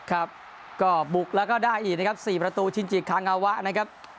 ครับก็บุกแล้วก็ได้อีกนะครับ๔ประตูชินจิคางาวะนะครับ